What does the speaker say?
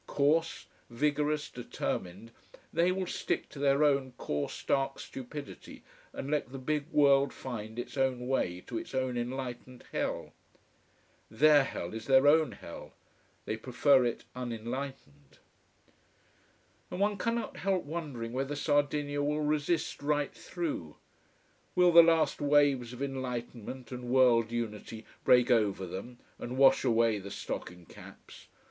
Coarse, vigorous, determined, they will stick to their own coarse dark stupidity and let the big world find its own way to its own enlightened hell. Their hell is their own hell, they prefer it unenlightened. And one cannot help wondering whether Sardinia will resist right through. Will the last waves of enlightenment and world unity break over them and wash away the stocking caps?